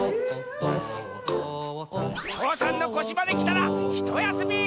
父山のこしまできたらひとやすみ！